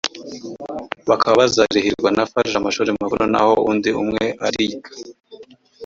bakaba bazarihirwa na farg amashuri makuru naho undi umwe ariga